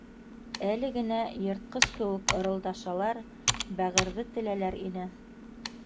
Әле генә йыртҡыс кеүек ырылдашалар, бәғерҙе теләләр ине.